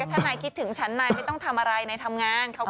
ถ้านายคิดถึงชั้นในไม่ต้องทำอะไรนายทำงาน